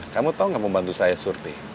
kamu tau nggak pembantu saya surti